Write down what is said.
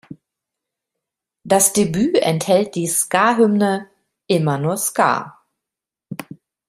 Das Debüt enthält die Ska-Hymne "Immer nur Ska".